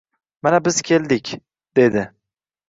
Mana biz keldik, dedi